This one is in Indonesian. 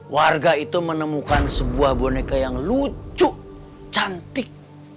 warga itu menemukan sebuah boneka yang lucu cantik